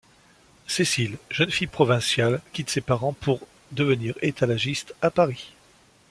Cécile, jeune fille provinciale, quitte ses parents pour devenir étalagiste à Paris.